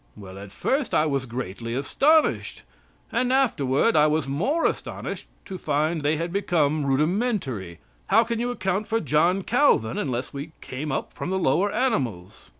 Well, at first, I was greatly astonished, and afterward I was more astonished to find they had become rudimentary. How can you account for John Calvin unless we came up from the lower animals?